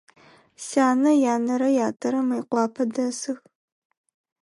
Сянэ янэрэ ятэрэ Мыекъуапэ дэсых.